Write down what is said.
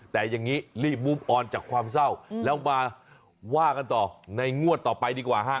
แต่อย่างนี้รีบมุมออนจากความเศร้าแล้วมาว่ากันต่อในงวดต่อไปดีกว่าฮะ